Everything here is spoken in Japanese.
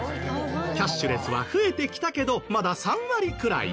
キャッシュレスは増えてきたけどまだ３割くらい。